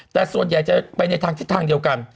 แต่ส่วนใหญ่จะไปในทางทิศทางเดียวกัน